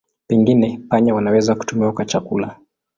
Pengine panya wanaweza kutumiwa kwa chakula.